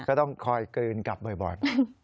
ก็ต้องคอยกลืนกลับบ่อย